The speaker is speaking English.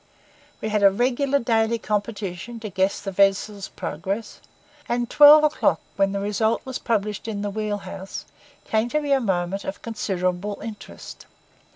We had a regular daily competition to guess the vessel's progress; and twelve o'clock, when the result was published in the wheel house, came to be a moment of considerable interest.